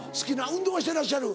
運動はしてらっしゃる？